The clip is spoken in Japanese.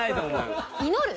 祈る？